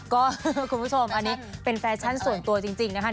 ก็คุณผู้ชมอันนี้เป็นแฟชั่นส่วนตัวจริงนะคะ